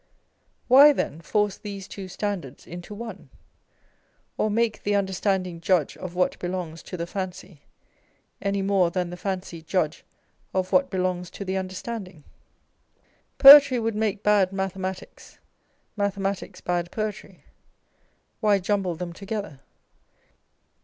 Why, then, force these two standards into one ? Or make the Understanding judge of what belongs to the Fancy, any more than the Fancy judge of what belongs to the Understanding ? Poetry would make bad mathematics, mathematics bad poetry: why jumble them together?